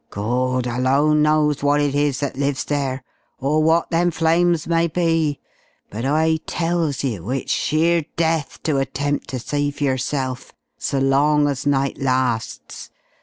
Gawd alone knows what it is that lives there, or what them flames may be, but I tells you it's sheer death to attempt to see for yourself, so long as night lasts.